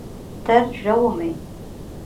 ترژومۍ